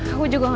aku juga gak tau